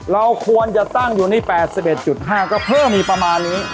เราควรจะตั้งอยู่ที่๘๑๕ก็เพิ่มอีกประมาณนี้